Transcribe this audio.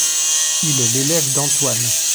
Il est l'élève d'Antoine.